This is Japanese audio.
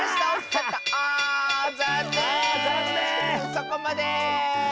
そこまで！